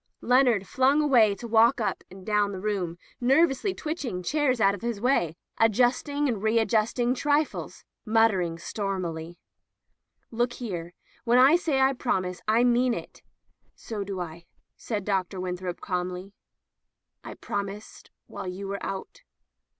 Leonard flung away to walk up and down the room, nervously twitching chairs out of his way, adjusting and readjusting trifles — muttering stormily: " Look here. When I say I promise, I mean it." "So do I," said Dr. Winthrop, calmly. "I promised while you were out.